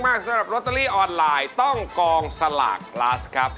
สำหรับลอตเตอรี่ออนไลน์ต้องกองสลากพลัสครับ